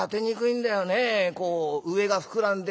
こう上が膨らんで」。